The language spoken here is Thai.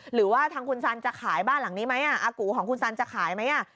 หรือว่าทางคุณสันจะขายบ้านหลังนี้ไหมอากูของคุณสันจะขายไหม